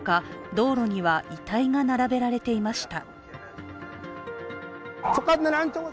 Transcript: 道路には遺体が並べられていました。